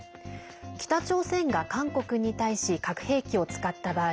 北朝鮮が韓国に対し核兵器を使った場合